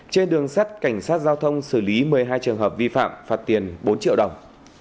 trên đường sắt cảnh sát giao thông xử lý một mươi hai trường hợp vi phạm phạt tiền bốn triệu đồng